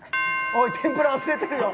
おい天ぷら忘れてるよ。